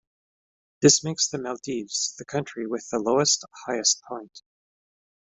This makes the Maldives the country with the lowest highest point.